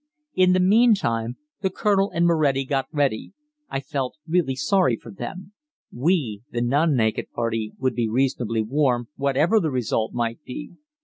In the meantime the Colonel and Moretti got ready. I really felt sorry for them. We, the non naked party, would be reasonably warm, whatever the result might be.